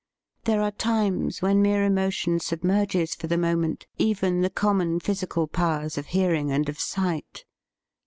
There are times when mere emotion submerges for the moment even the common physical powers of hearing and of sight.